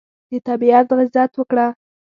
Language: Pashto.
د طبیعت عزت وکړه.